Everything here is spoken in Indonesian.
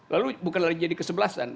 lalu bukan lagi jadi kesebelasan